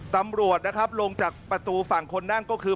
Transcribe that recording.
ตำรวจนะครับลงจากประตูฝั่งคนนั่งก็คือ